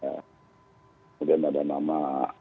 kemudian ada nama